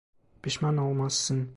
Pişman olmazsın.